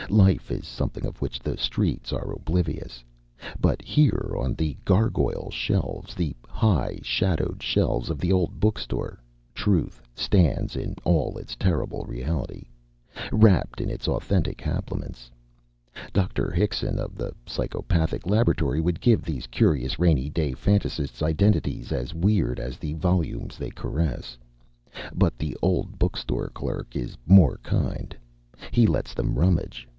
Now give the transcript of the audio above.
Life is something of which the streets are oblivious. But here on the gargoyle shelves, the high, shadowed shelves of the old book store truth stands in all its terrible reality, wrapped in its authentic habiliments. Dr. Hickson of the psychopathic laboratory would give these curious rainy day phantasts identities as weird as the volumes they caress. But the old book store clerk is more kind. He lets them rummage.